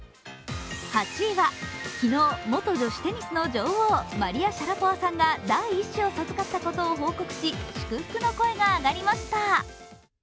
昨日、元女子テニスの女王マリア・シャラポワさんが第１子を授かったことを報告し祝福の声が上がりました。